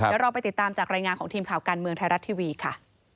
เดี๋ยวเราไปติดตามจากรายงานของทีมข่าวการเมืองไทยรัฐทีวีค่ะ